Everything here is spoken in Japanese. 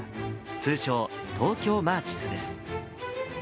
通称、東京マーチスです。